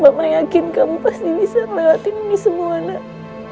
mama yakin kamu pasti bisa melatih ini semua anak